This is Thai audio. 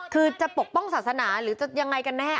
คือจะปกป้องศาสนาหรือจะยังไงกันแน่